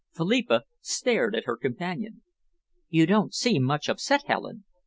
Philippa stared at her companion. "You don't seem much upset, Helen!"